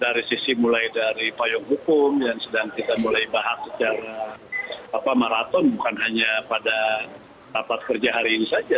dari sisi mulai dari payung hukum yang sedang kita mulai bahas secara maraton bukan hanya pada rapat kerja hari ini saja